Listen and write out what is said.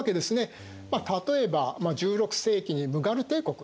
例えば１６世紀にムガル帝国。